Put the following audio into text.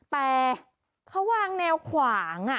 แต่เขาวางแนวขวาง